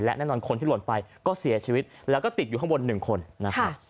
และแน่นอนคนที่หล่นไปก็เสียชีวิตแล้วก็ติดอยู่ข้างบน๑คนนะครับ